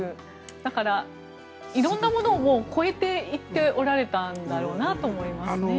だから、色んなものを超えていっておられたんだろうなと思いますね。